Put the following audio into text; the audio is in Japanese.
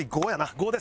５です。